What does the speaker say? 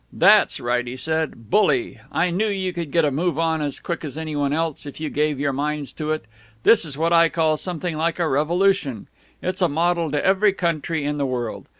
"That's right," he said. "Bully! I knew you could get a move on as quick as anyone else, if you gave your minds to it. This is what I call something like a revolution. It's a model to every country in the world.